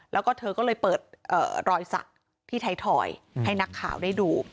แล้วก็เธอก็เลยเปิดรอยสักที่ไทยถอยให้นักข่าวได้ดู